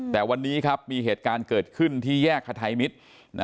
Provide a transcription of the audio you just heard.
แต่วันนี้ครับมีเหตุการณ์เกิดขึ้นที่แยกคไทยมิตร